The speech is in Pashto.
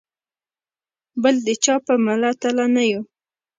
بل د چا په مله تله نه یو.